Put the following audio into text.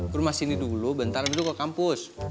ke rumah sini dulu bentar dulu ke kampus